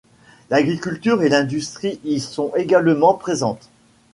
L’agriculture et l’industrie y sont également présentes.